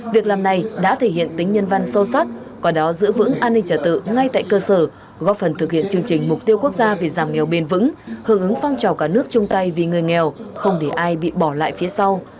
việc làm này đã thể hiện tính nhân văn sâu sắc qua đó giữ vững an ninh trả tự ngay tại cơ sở góp phần thực hiện chương trình mục tiêu quốc gia về giảm nghèo bền vững hưởng ứng phong trào cả nước chung tay vì người nghèo không để ai bị bỏ lại phía sau